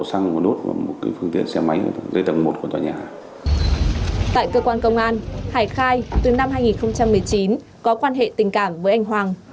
tại cơ quan công an hải khai từ năm hai nghìn một mươi chín có quan hệ tình cảm với anh hoàng